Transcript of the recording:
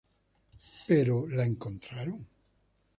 Pero la encontraron.